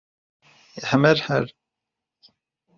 Yeḥma lḥal.